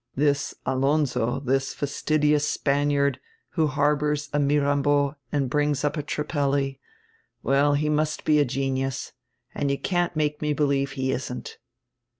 "This Alonzo, diis fastidious Spaniard, who harbors a Mirambo and brings up a Trippelli — well, he must be a genius, and you can't make me believe he isn't."